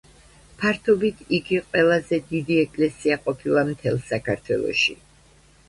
ფართობით იგი ყველაზე დიდი ეკლესია ყოფილა მთელ საქართველოში.